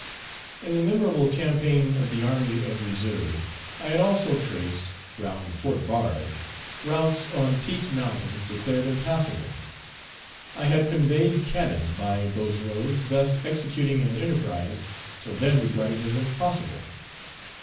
In the memorable campaign of the army of reserve, I had also traced, round Fort Bard, routes on peaked mountains declared impassable. I had conveyed cannon by those roads, thus executing an enterprise till then regarded as impossible.